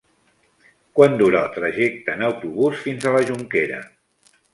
Quant dura el trajecte en autobús fins a la Jonquera?